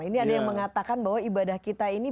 ini ada yang mengatakan bahwa ibadah kita ini